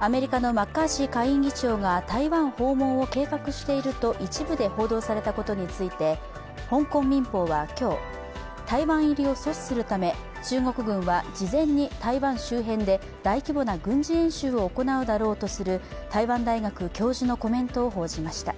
アメリカのマッカーシー下院議長が台湾訪問を計画していると一部で報道されたことについて、香港明報は今日、台湾入りを阻止するため中国軍は事前に台湾周辺で大規模な軍事演習を行うだろうとする台湾大学教授のコメントを報じました。